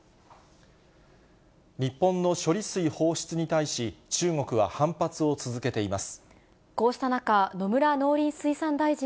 日本の処理水放出に対し、中国は反発を続けています。